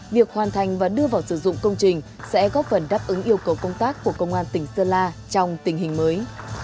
việc hoàn thành và đưa vào sử dụng công trình sẽ góp phần đáp ứng yêu cầu công tác của công an tỉnh sơn la trong tình hình mới